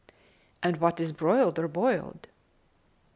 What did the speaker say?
"And what is broiled or boiled?"